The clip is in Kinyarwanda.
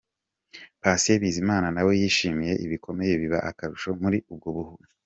Patient Bizimana na we yishimiwe bikomeye biba akarusho muri 'Ubwo buntu'.